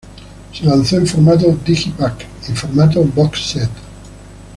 Se lanzó en formato "digipak" y formato "box set".